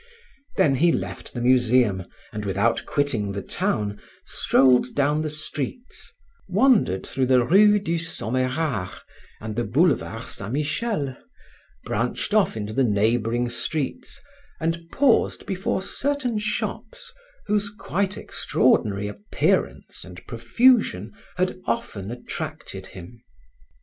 Then he left the Museum and, without quitting the town, strolled down the streets, wandered through the rue du Sommerard and the boulevard Saint Michel, branched off into the neighboring streets, and paused before certain shops whose quite extraordinary appearance and profusion had often attracted him.